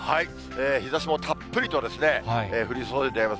日ざしもたっぷりと降り注いでいます。